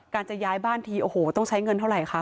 จะย้ายบ้านทีโอ้โหต้องใช้เงินเท่าไหร่คะ